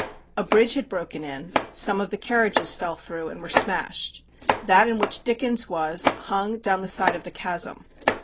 A bridge had broken in; some of the carriages fell through, and were smashed; that in which Dickens was, hung down the side of the chasm.